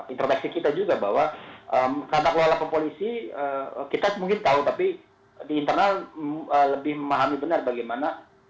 intropeksi kita juga bahwa kata kelola polisi kita mungkin tahu tapi di internal lebih memahami benar bagaimana